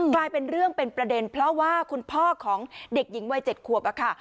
กลายเป็นเรื่องเป็นประเด็นเพราะว่าคุณพ่อของเด็กหญิงวัย๗ขวบอะค่ะ